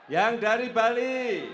yang dari bali